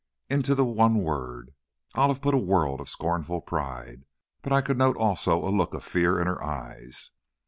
Into the one word, Olive put a world of scornful pride, but I could note also a look of fear in her eyes.